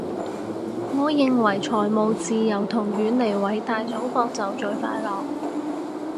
我認為財務自由同遠離偉大祖國就最快樂